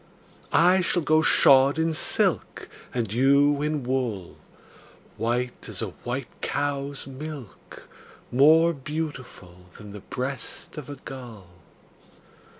I shall go shod in silk, And you in wool, White as a white cow's milk, More beautiful Than the breast of a gull.